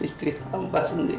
istri amba sendiri